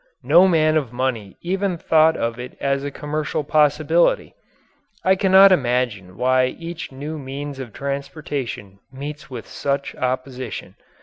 No man of money even thought of it as a commercial possibility. I cannot imagine why each new means of transportation meets with such opposition.